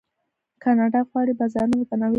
کاناډا غواړي بازارونه متنوع کړي.